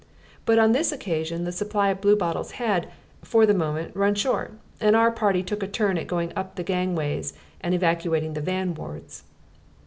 But on this occasion the supply of Bluebottles had, for the moment, run short, and our party took a turn at going up the gangways and evacuating the van wards.